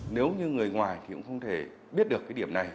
nếu như người ngoài thì cũng không thể biết được cái điểm này